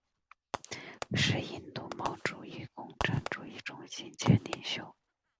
是印度毛主义共产主义中心前领袖。